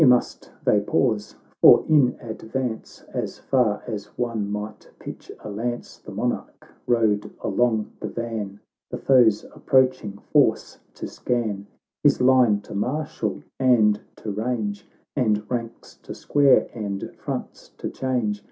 XIII Here must they pause ; for, in advance As far as one might pitch a lance, The Monarch p rode along the van, The foe's approaching force to scan, His line to marshal and to range, And ranks to square, and fronts to change.